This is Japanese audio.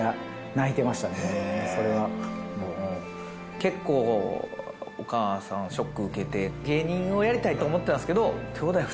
結構お母さんはショック受けて芸人をやりたいと思ってたんですけど。